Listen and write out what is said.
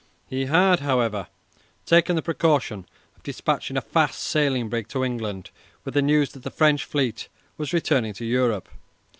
He had, however, taken the precaution of dispatching a fast sailing brig to England with the news that the French fleet was returning to Europe.